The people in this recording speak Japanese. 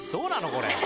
これ。